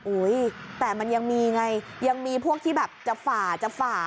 แต่มันยังมีไงยังมีพวกที่แบบจะฝ่าจะฝ่า